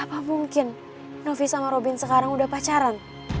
apa mungkin novi sama robin sekarang udah pacaran